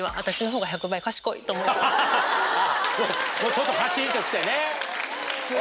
ちょっとカチンときてね。